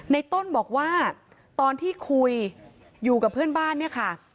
ในต้นบอกว่าตอนที่คุยอยู่กับเพื่อนบ้านเนี่ยค่ะ